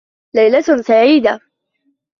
ليلة سعيدة.